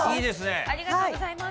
ありがとうございます。